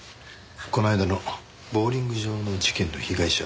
この間のボウリング場の事件の被害者